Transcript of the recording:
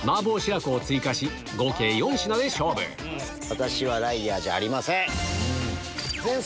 私はライアーじゃありません。